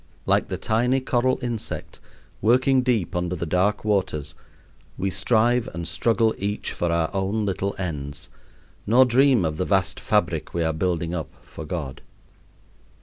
Like the tiny coral insect working deep under the dark waters, we strive and struggle each for our own little ends, nor dream of the vast fabric we are building up for God.